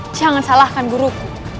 jangan salahkan guruku